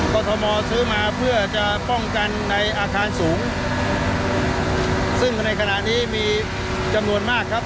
ก็ทมซื้อมาเพื่อจะป้องกันในอาคารสูงซึ่งในขณะนี้มีจำนวนมากครับ